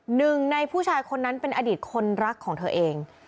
หนึ่งในผู้ชายคนนั้นเป็นอดีตคนรักของเธอเอง